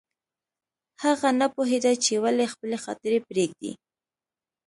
هغه نه پوهېده چې ولې خپلې خاطرې پرېږدي